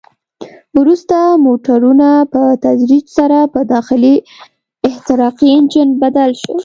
وروسته موټرونه په تدریج سره په داخلي احتراقي انجن بدل شول.